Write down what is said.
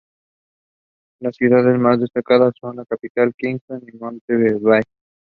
Las ciudades más destacadas son la capital, Kingston y Montego Bay.